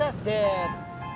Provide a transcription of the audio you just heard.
ya pertemuannya sukses dad